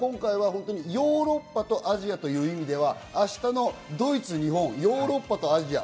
ヨーロッパとアジアという意味では明日のドイツ、日本、ヨーロッパとアジア